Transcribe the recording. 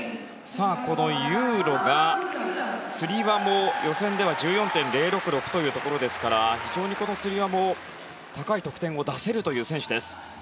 このユーロがつり輪も予選では１４．０６６というところですから非常にこのつり輪も高い得点を出せるという選手です。